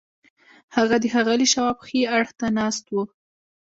هغه د ښاغلي شواب ښي اړخ ته ناست و